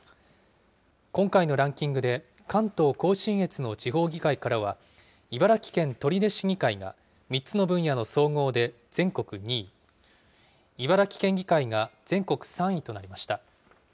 今回のランキングで、関東甲信越の地方議会からは、茨城県取手市議会が３つの分野の総合で全国２位、茨城県議会が全国３位となりました。